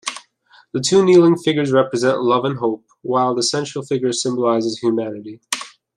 The two kneeling figures represent Love and Hope, while the central figure symbolises Humanity.